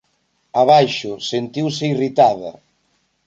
Abaixo, sentiuse irritada.